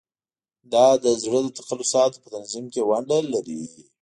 دا د زړه د تقلصاتو په تنظیم کې ونډه لري.